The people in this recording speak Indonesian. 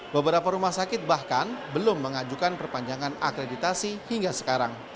beberapa rumah sakit bahkan belum mengajukan perpanjangan akreditasi hingga sekarang